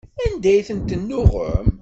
Anda ay tent-tennuɣem?